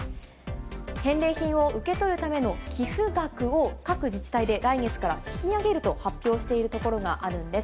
返礼品を受け取るための寄付額を各自治体で来月から引き上げると発表しているところがあるんです。